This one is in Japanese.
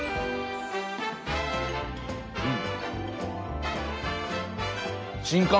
うん。